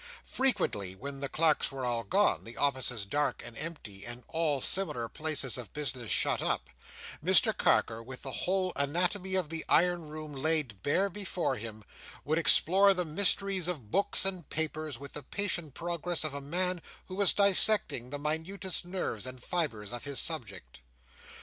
Frequently when the clerks were all gone, the offices dark and empty, and all similar places of business shut up, Mr Carker, with the whole anatomy of the iron room laid bare before him, would explore the mysteries of books and papers, with the patient progress of a man who was dissecting the minutest nerves and fibres of his subject.